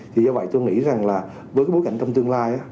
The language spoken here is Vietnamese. thì do vậy tôi nghĩ rằng là với cái bối cảnh trong tương lai